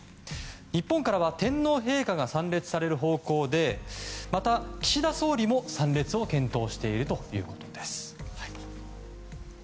日本からは天皇陛下が参列される方向でまた、岸田総理も参列を検討しているということです。